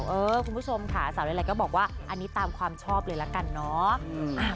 คุณผู้ชมค่ะสาวเรลัยก็บอกว่าอันนี้ตามความชอบเลยละกันเนาะ